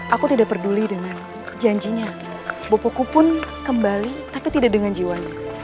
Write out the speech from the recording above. aku tidak peduli dengan janjinya bopoku pun kembali tapi tidak dengan jiwanya